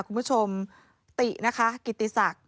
คุณผู้ชมตินะคะกิติศักดิ์